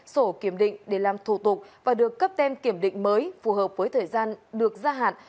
sổ kiểm định để làm thủ tục và được cấp tem kiểm định mới phù hợp với thời gian được gia hạn